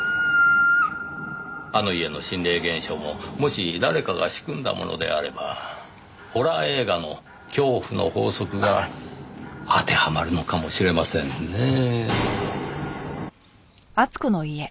「」あの家の心霊現象ももし誰かが仕組んだものであればホラー映画の恐怖の法則が当てはまるのかもしれませんねぇ。